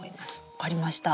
分かりました。